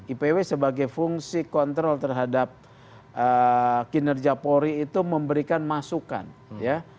ipw sebagai fungsi kontrol terhadap kinerja polri itu memberikan masukan ya